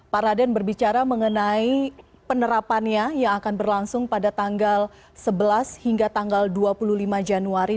pak raden berbicara mengenai penerapannya yang akan berlangsung pada tanggal sebelas hingga tanggal dua puluh lima januari